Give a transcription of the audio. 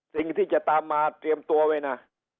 สิ่งที่จะตามมาเตรียมตัวไว้นะ